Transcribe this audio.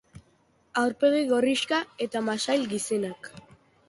Aurpegi gorrixka eta masail gizenak.